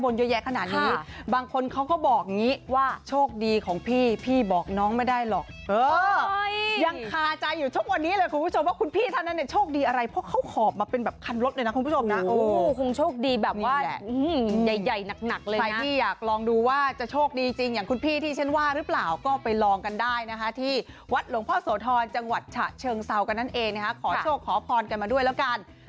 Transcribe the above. ว่าโชคดีของพี่พี่บอกน้องไม่ได้หรอกยังคาใจอยู่ทุกวันนี้เลยคุณผู้ชมว่าคุณพี่ท่านเนี่ยโชคดีอะไรเพราะเขาขอบมาเป็นแบบคันลดเลยนะคุณผู้ชมนะโอ้โหคงโชคดีแบบว่าใหญ่หนักเลยนะใครที่อยากลองดูว่าจะโชคดีจริงอย่างคุณพี่ที่ฉันว่าหรือเปล่าก็ไปลองกันได้นะคะที่วัดหลวงพ่อโสธรจังหวัดฉะเชิงเซากั